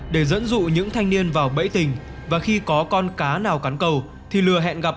để dẫn dụ những thanh niên vào bẫy tình và khi có con cá nào cắn cầu thì lừa hẹn gặp